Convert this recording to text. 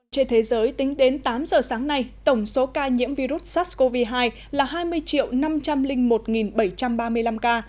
trên thế giới tính đến tám giờ sáng nay tổng số ca nhiễm virus sars cov hai là hai mươi năm trăm linh một bảy trăm ba mươi năm ca